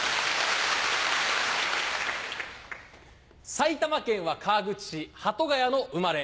埼玉県は川口市鳩ヶ谷の生まれ。